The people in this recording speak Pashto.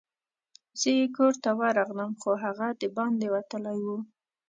زه یې کور ته ورغلم، خو هغه دباندي وتلی وو.